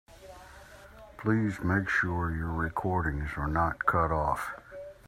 Please make sure your recordings are not cut off.